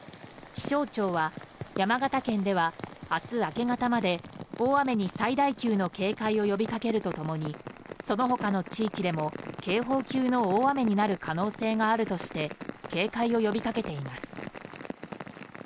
気象庁は山形県では明日明け方まで大雨に最大級の警戒を呼びかけるとともにその他の地域でも警報級の大雨になる可能性があるとして警戒を呼びかけています。